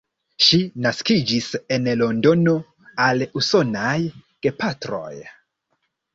Ŝi naskiĝis en Londono al usonaj gepatroj.